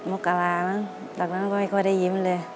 มกรามั้งจากนั้นก็ไม่ค่อยได้ยิ้มเลย